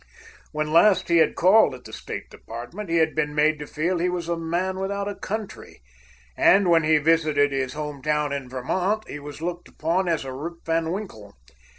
When last he had called at the State Department, he had been made to feel he was a man without a country, and when he visited his home town in Vermont, he was looked upon as a Rip Van Winkle.